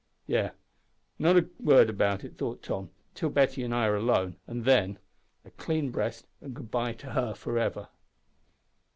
"Yes, not a word about it," thought Tom, "till Betty and I are alone, and then a clean breast and good bye to her, for ever!"